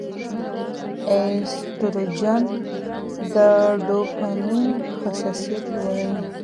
ایسټروجن د ډوپامین حساسیت لوړوي.